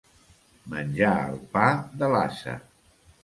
Menjar el pa de l'ase.